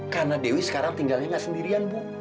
karena dewi sekarang tinggalnya gak sendirian bu